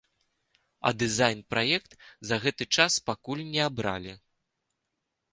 А дызайн-праект за гэты час пакуль не абралі.